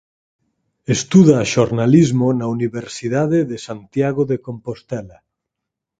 Estuda Xornalismo na Universidade de Santiago de Compostela.